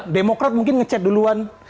demokrat mungkin ngechat duluan